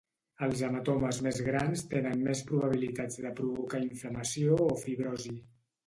Els hematomes més grans tenen més probabilitats de provocar inflamació o fibrosi.